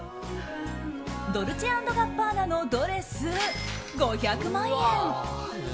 ドルチェ＆ガッバーナのドレス５００万円。